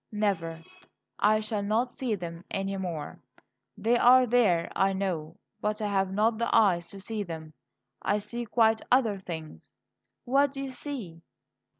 "Never. I shall not see them any more. They are there, I know; but I have not the eyes to see them. I see quite other things." "What do you see?"